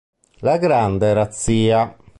La grande razzia